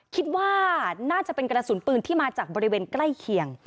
คิดว่าน่าจะเป็นกระสุนปืนที่มาจากบริเวณใกล้เคียง